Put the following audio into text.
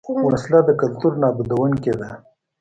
وسله د کلتور نابودوونکې ده